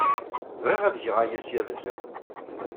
Bɣiɣ ad geɣ aya ssya d asawen.